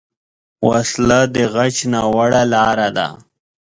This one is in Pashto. وسله د غچ ناوړه لاره ده